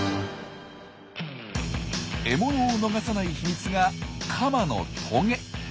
獲物を逃さない秘密がカマのトゲ。